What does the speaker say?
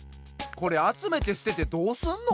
これあつめてすててどうすんの？